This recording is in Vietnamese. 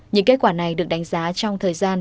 những kết quả này được đánh giá trong thời gian